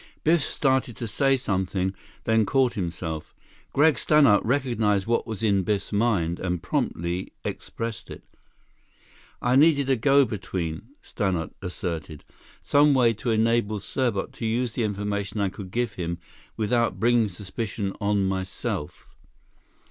Biff started to say something, then caught himself. Gregg Stannart recognized what was in Biff's mind and promptly expressed it. "I needed a go between," Stannart asserted. "Some way to enable Serbot to use the information I could give him without bringing suspicion on myself."